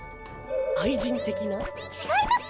愛人的な？違います！